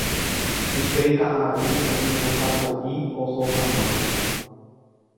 Upe ka'aru oñembosako'i oho hag̃ua